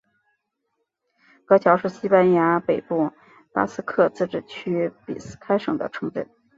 格乔是西班牙北部巴斯克自治区比斯开省的城镇。